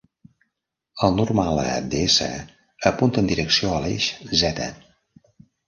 El normal a d"S" apunta en direcció a l'eix "z".